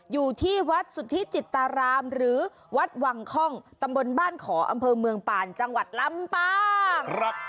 อยู่ที่วัดสุธิจิตรามหรือวัดวังค่องตำบลบ้านขออำเภอเมืองป่านจังหวัดลำปาง